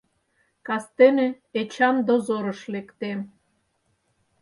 Кастене Эчан дозорыш лекте.